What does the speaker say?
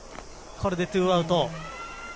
これで２アウト。